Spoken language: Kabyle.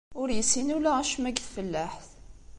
Ur yessin ula acemma deg tfellaḥt.